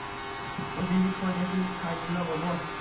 O’zingiz qaydasiz, Fayzullo bobo?